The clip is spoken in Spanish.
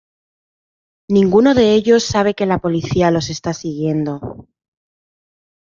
Ninguno de ellos sabe que la policía los está siguiendo.